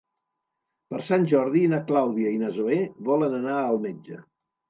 Per Sant Jordi na Clàudia i na Zoè volen anar al metge.